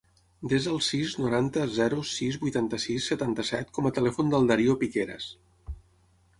Desa el sis, noranta, zero, sis, vuitanta-sis, setanta-set com a telèfon del Dario Piqueras.